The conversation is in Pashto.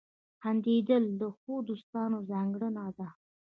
• خندېدل د ښو دوستانو ځانګړنه ده.